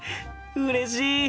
うれしい！